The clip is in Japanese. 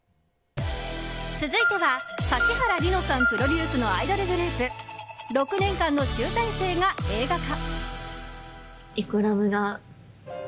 続いては、指原莉乃さんプロデュースのアイドルグループ６年間の集大成が映画化。